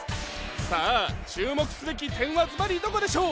さあ注目すべき点はずばりどこでしょう？